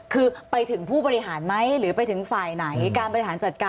คือไปถึงผู้บริหารไหมหรือไปถึงฝ่ายไหน